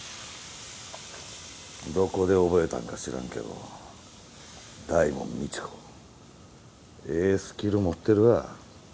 どこで覚えたんか知らんけど大門未知子ええスキル持ってるわ。